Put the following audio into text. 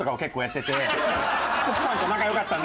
奥さんと仲良かったんで。